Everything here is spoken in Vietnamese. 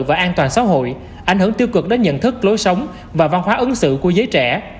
và an toàn xã hội ảnh hưởng tiêu cực đến nhận thức lối sống và văn hóa ứng xử của giới trẻ